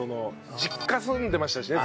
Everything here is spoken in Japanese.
実家住んでましたしねずっと。